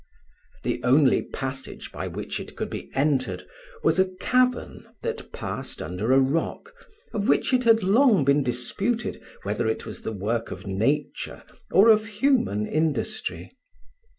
The only passage by which it could be entered was a cavern that passed under a rock, of which it had long been disputed whether it was the work of nature or of human industry.